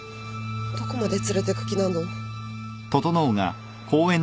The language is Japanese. どこまで連れてく気なの？